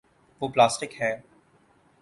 وہ پلاسٹک ہے۔